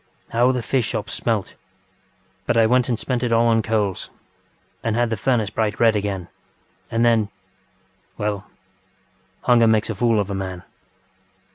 How the fish shops smelt! But I went and spent it all on coals, and had the furnace bright red again, and thenŌĆöWell, hunger makes a fool of a man.